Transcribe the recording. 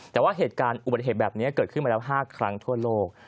แต่ว่าเหตุการณ์อุบัติเหตุแบบนี้เกิดขึ้นมาแล้ว๕ครั้งทั่วโลก